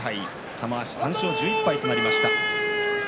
玉鷲は３勝１１敗となりました。